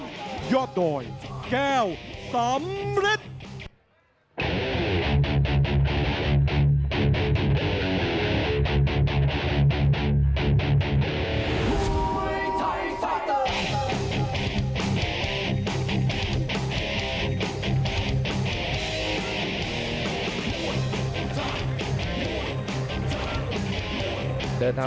สวัสดีครับสวัสดีครับ